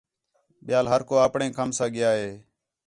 ٻِیال ہر کو آپݨے کَم ساں ڳِیا ہے